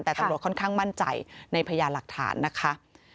แต่ตำรวจค่อนข้างมั่นใจในพยานหลักฐานนะคะ